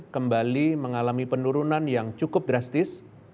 kembali mengalami penurunan yang cukup drastis